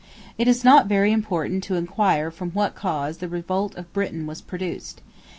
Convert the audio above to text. It is not very important to inquire from what cause the revolt of Britain was produced.